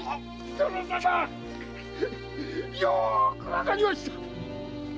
殿様‼よーくわかりました！〕